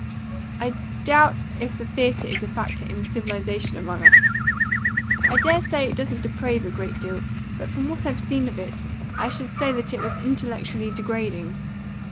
I doubt if the theatre is a factor in civilisation among us. I dare say it doesn't deprave a great deal, but from what I've seen of it I should say that it was intellectually degrading.